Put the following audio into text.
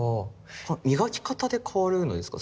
磨き方で変わるんですか？